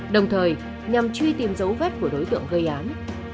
đồng thời nhằm truy tìm dấu vết của đối tượng gây án